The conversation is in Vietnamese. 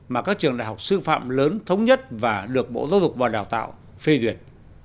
mà các trường đại học sư phạm lớn thống nhất và được bộ giáo dục và đào tạo phê duyệt